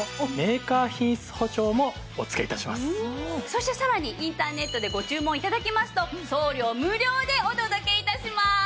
そしてさらにインターネットでご注文頂きますと送料無料でお届け致します。